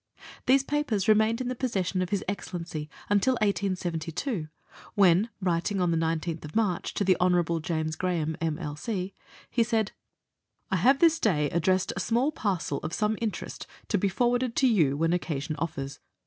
These papers remained in the possession of His Excel lency until 1872, when, writing, on the 19th March, to the Honorable James Graham, M.L.C., he said " I have this day addressed a small parcel of some interest to be forwarded to you when occasion offers.